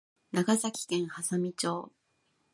長崎県波佐見町